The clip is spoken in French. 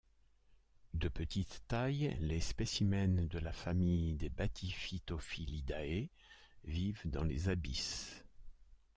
De petite taille, les spécimens de la famille des Bathyphytophilidae vivent dans les abysses.